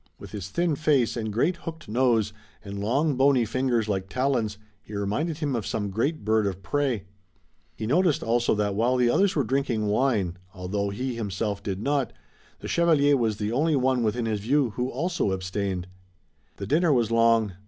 With his thin face, and great hooked nose, and long, bony fingers like talons, he reminded him of some great bird of prey. He noticed also that while the others were drinking wine, although he himself did not, the chevalier was the only one within his view who also abstained. The dinner was long.